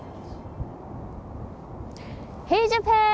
ヘイ、ジャパン。